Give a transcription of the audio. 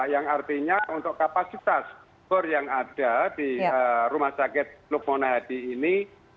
yang artinya untuk kapasitas bor yang ada di rumah sakit lukmona hadi ini